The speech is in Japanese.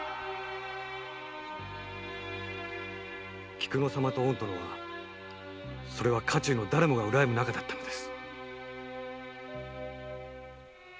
菊乃様と殿は家中のだれもがうらやむ仲だったのです。